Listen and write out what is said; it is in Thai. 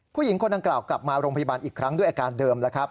ผู้หญิงคนดังกล่าวกลับมาโรงพยาบาลอีกครั้งด้วยอาการเดิมแล้วครับ